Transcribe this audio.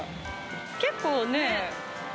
結構ね。